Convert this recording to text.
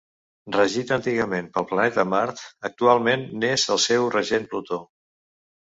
Regit antigament pel planeta Mart, actualment n'és el seu regent Plutó.